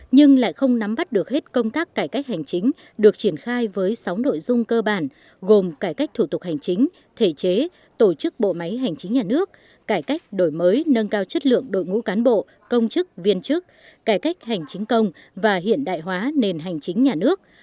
nhưng lại không nắm bắt được hết công tác cải cách hành chính được triển khai với sáu nội dung cơ bản gồm cải cách thủ tục hành chính thể chế tổ chức bộ máy hành chính nhà nước cải cách đổi mới nâng cao chất lượng đội ngũ cán bộ công chức viên chức cải cách hành chính công và hiện đại hóa nền hành chính nhà nước